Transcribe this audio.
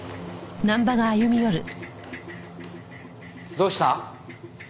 どうした？